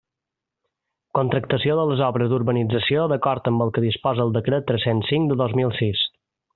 Contractació de les obres d'urbanització d'acord amb el que disposa el Decret tres-cents cinc de dos mil sis.